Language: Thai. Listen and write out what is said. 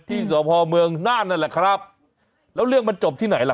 ที่สพเมืองน่านนั่นแหละครับแล้วเรื่องมันจบที่ไหนล่ะ